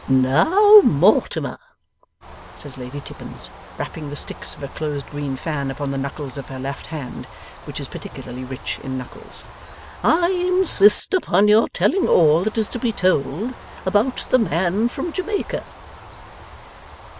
'Now, Mortimer,' says Lady Tippins, rapping the sticks of her closed green fan upon the knuckles of her left hand which is particularly rich in knuckles, 'I insist upon your telling all that is to be told about the man from Jamaica.